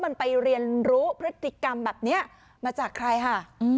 มันไปเรียนรู้พฤติกรรมแบบนี้มาจากใครค่ะ